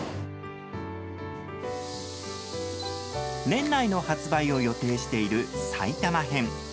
年内の発売を予定している埼玉編。